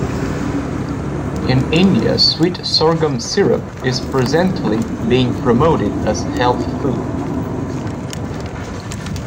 In India sweet sorghum syrup is presently being promoted as a health food.